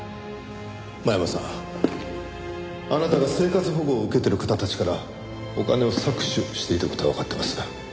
真山さんあなたが生活保護を受けてる方たちからお金を搾取していた事はわかってます。